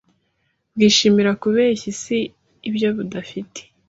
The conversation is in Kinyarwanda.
bwishimira kubeshya isi ibyo budafite